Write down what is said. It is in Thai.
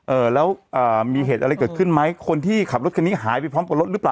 เออแล้วอ่ามีเหตุอะไรเกิดขึ้นไหมคนที่ขับรถคันนี้หายไปพร้อมกับรถหรือเปล่า